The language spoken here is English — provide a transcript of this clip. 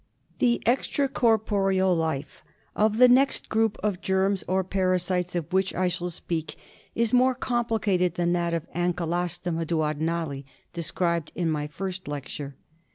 The extra corporeal life of the next group of germs or parasites of which I shall speak is more complicated than that of Ankylostomum duodenale, described in my first lecture.